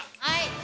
はい。